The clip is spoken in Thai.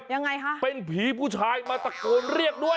ยังไงคะเป็นผีผู้ชายมาตะโกนเรียกด้วย